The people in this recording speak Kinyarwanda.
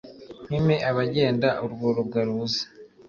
Mpime abagenda, urwo rubwa ruze